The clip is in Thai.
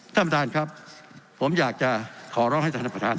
ถ้าผู้ทหารครับขอร้องทางผู้ท่าน